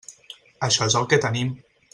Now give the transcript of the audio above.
Això és el que tenim.